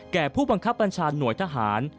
ผู้บังคับบัญชาหน่วยทหาร